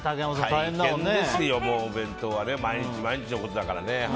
大変ですよ、お弁当は毎日毎日のことだからね。